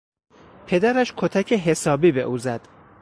پدرش کتک حسابی به او زد.